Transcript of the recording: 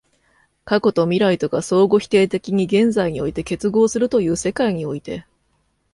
過去と未来とが相互否定的に現在において結合するという世界において、